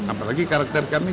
apalagi karakter kami